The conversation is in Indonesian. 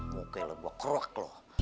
mungkin lo gue keruak lo